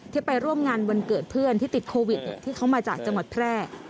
ไปร่วมงานวันเกิดเพื่อนที่ติดโควิดที่เขามาจากจังหวัดแพร่